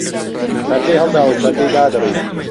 پهردهی ههڵداوه و پهردەی دادڕی